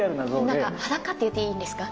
何か裸って言っていいんですか？